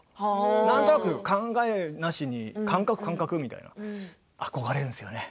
なんとなく考えなしに感覚みたいな、憧れるんですよね。